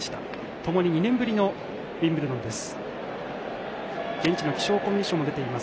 ともに２年ぶりのウィンブルドンです。